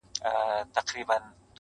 او د خپل زړه په تصور كي مي.